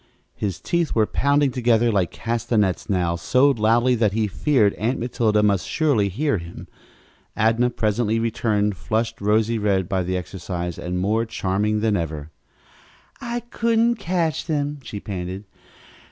His teeth were pounding together like castanets, now, so loudly that he feared Aunt Matilda must surely hear them. Adnah presently returned, flushed rosy red by the exercise and more charming than ever. "I couldn't catch them," she panted.